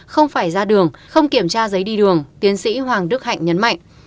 không phải ra đường không kiểm tra giấy đi đường tiến sĩ hoàng đức hạnh nhấn mạnh